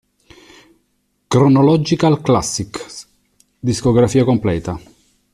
Chronological Classics, discografia completa